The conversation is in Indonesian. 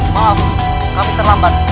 maaf kami terlambat